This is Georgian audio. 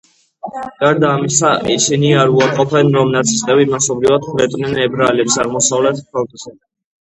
გარდა ამისა, ისინი არ უარყოფენ, რომ ნაცისტები მასობრივად ხვრეტდნენ ებრაელებს აღმოსავლეთ ფრონტზე.